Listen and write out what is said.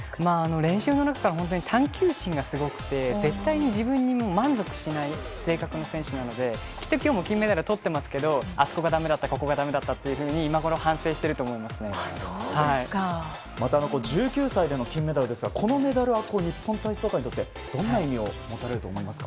練習の中から探究心がすごくて絶対に自分に満足しない性格の選手なのできっと今日も金メダルとっていますけどあそこがだめだったって１９歳での金メダルですがこのメダルは日本体操界にとってどんな意味を持たれると思いますか？